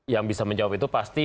yang bisa menjawab itu pasti